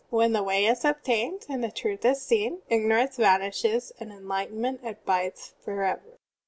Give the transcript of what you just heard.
When the Way is attained and the truth is seen, ignorance vanishes and enlighten ment abides forever.